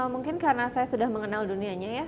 mungkin karena saya sudah mengenal dunianya ya